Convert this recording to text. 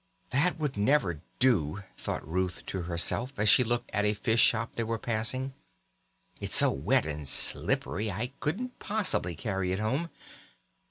"That would never do," thought Ruth to herself as she looked at a fish shop they were passing, "It's so wet and slippery I couldn't possibly carry it home.